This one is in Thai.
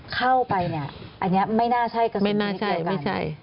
เข้าไปนะอันนี้ไม่น่าใช่กับหรือไม่ใช่